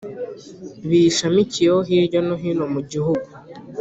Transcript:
Biyishamikiyeho hirya no hino mu gihugu